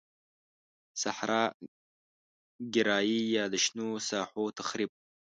صحرا ګرایی یا د شنو ساحو تخریب.